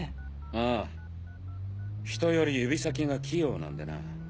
ああひとより指先が器用なんでな。